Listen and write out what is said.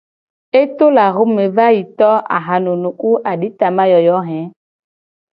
E to le axome va yi to ahanunu ku aditamayoyo he.